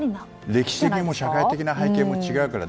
歴史的にも社会的な背景も違うから。